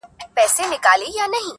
څښل مو تويول مو شرابونه د جلال.